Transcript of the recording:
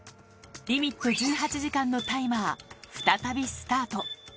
リミット１８時間のタイマー、再びスタート。